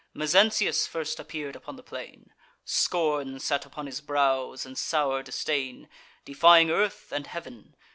Mezentius first appear'd upon the plain: Scorn sate upon his brows, and sour disdain, Defying earth and heav'n.